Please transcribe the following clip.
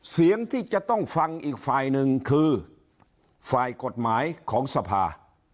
เสียงที่จะต้องฟังอีกฝ่ายหนึ่งคือฝ่ายกฎหมายของสภา